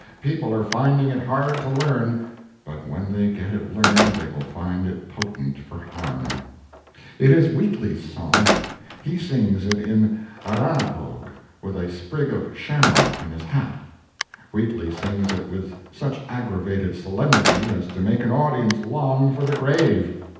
People are finding it hard to learn, but when they get it learned they will find it potent for harm. It is Wheatleigh's song. He sings it in Arrah na Pogque, with a sprig of shamrock in his hat. Wheatleigh sings it with such aggravated solemnity as to make an audience long for the grave.